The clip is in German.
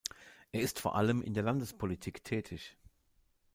Er ist vor allem in der Landespolitik tätig.